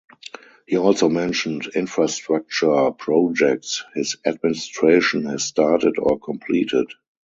He also mentioned infrastructure projects his administration has started or completed.